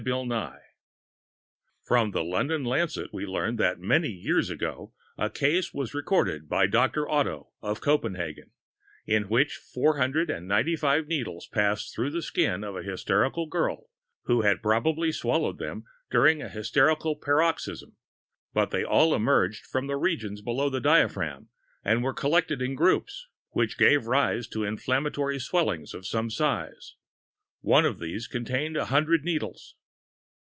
BILL NYE A FATAL THIRST From the London Lancet we learn that "many years ago a case was recorded by Doctor Otto, of Copenhagen, in which 495 needles passed through the skin of a hysterical girl, who had probably swallowed them during a hysterical paroxysm, but these all emerged from the regions below the diaphragm, and were collected in groups, which gave rise to inflammatory swellings of some size. One of these contained 100 needles.